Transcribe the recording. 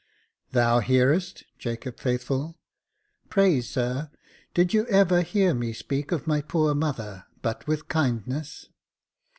" Thou hearest, Jacob Faithful." " Pray, sir, did you ever hear me speak of my poor mother but with kindness